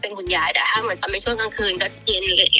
เป็นมันเป็นยังไง